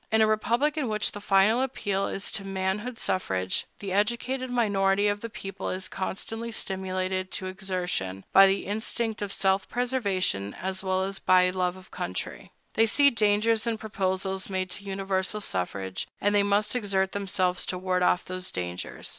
In a republic in which the final appeal is to manhood suffrage, the educated minority of the people is constantly stimulated to exertion, by the instinct of self preservation as well as by love of country. They see dangers in proposals made to universal suffrage, and they must exert themselves to ward off those dangers.